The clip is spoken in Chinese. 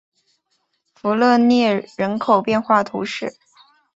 弗勒里涅人口变化图示